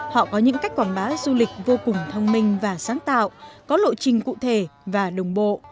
họ có những cách quảng bá du lịch vô cùng thông minh và sáng tạo có lộ trình cụ thể và đồng bộ